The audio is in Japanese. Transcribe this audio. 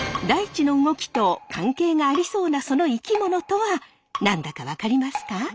大地の動きと関係がありそうなその生き物とは何だか分かりますか？